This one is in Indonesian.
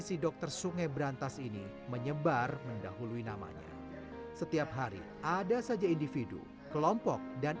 si dokter sungai berantas ini menyebar mendahului namanya setiap hari ada saja individu kelompok dan